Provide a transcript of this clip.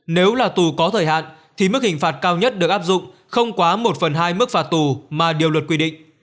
nếu là tù có thời hạn thì mức hình phạt cao nhất được áp dụng không quá một phần hai mức phạt tù mà điều luật quy định